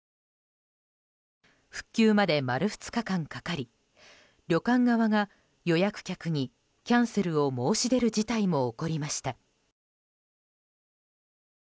復旧まで丸２日間かかり旅館側が予約客にキャンセルを申し出る事態も起こりました。